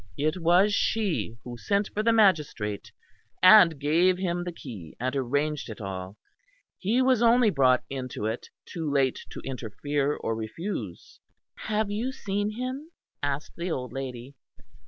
It was she who sent for the magistrate and gave him the key and arranged it all; he was only brought into it too late to interfere or refuse." "Have you seen him?" asked the old lady.